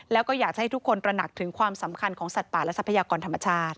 แล้วก็อยากให้ทุกคนตระหนักถึงความสำคัญของสัตว์ป่าและทรัพยากรธรรมชาติ